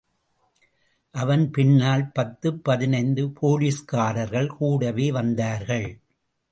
அவன் பின்னால் பத்து, பதினைந்து போலீஸ்காரர்கள் கூடவே வந்தார்கள்.